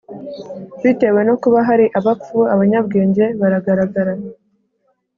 bitewe no kuba hari abapfu, abanyabwenge baragaragara